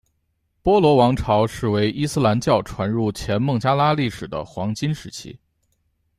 波罗王朝被视为伊斯兰教传入前孟加拉历史的黄金时期。